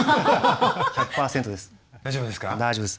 大丈夫です。